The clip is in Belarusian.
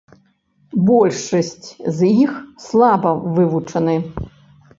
Большасць з іх слаба вывучаны.